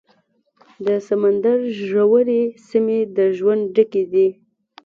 د سمندر ژورې سیمې د ژوند ډکې دي.